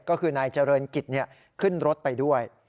ก็คือนายเจริญกิจขึ้นรถไปด้วย